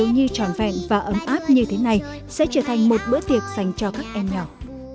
bệnh viện ấm áp như thế này sẽ trở thành một bữa tiệc dành cho các em nhỏ